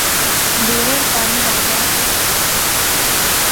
بیرے پانی رکھیا